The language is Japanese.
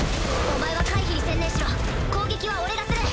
お前は回避に専念しろ攻撃は俺がする。